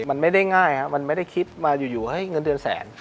มันไม่ได้ง่ายครับมันไม่ได้คิดมาอยู่เฮ้ยเงินเดือนแสน